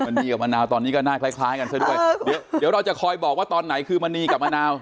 นีกับมะนาวตอนนี้ก็หน้าคล้ายคล้ายกันซะด้วยเดี๋ยวเดี๋ยวเราจะคอยบอกว่าตอนไหนคือมณีกับมะนาว